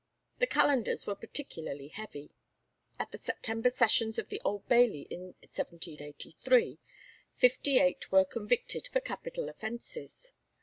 The calendars were particularly heavy. At the September Sessions of the Old Bailey in 1783, fifty eight were convicted for capital offences.